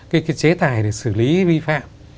cái chế tài để xử lý vi phạm